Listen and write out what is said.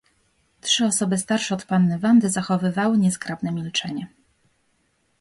"Trzy osoby starsze od panny Wandy zachowywały niezgrabne milczenie."